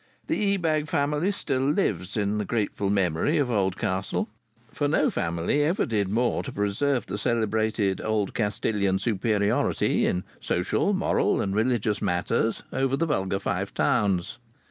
The Ebag family still lives in the grateful memory of Oldcastle, for no family ever did more to preserve the celebrated Oldcastilian superiority in social, moral and religious matters over the vulgar Five Towns.